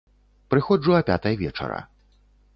Прыходжу а пятай вечара.